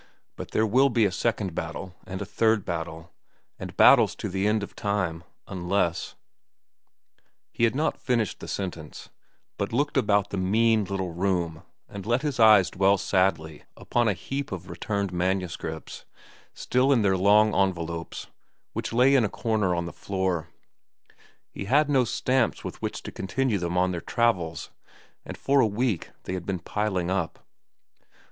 "But there will be a second battle, and a third battle, and battles to the end of time, unless—" He had not finished the sentence, but looked about the mean little room and let his eyes dwell sadly upon a heap of returned manuscripts, still in their long envelopes, which lay in a corner on the floor. He had no stamps with which to continue them on their travels, and for a week they had been piling up.